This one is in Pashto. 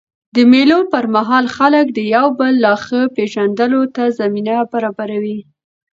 د مېلو پر مهال خلک د یو بل لا ښه پېژندلو ته زمینه برابروي.